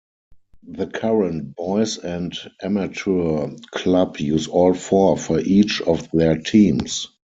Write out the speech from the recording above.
The current boys and amateur club use all four for each of their teams.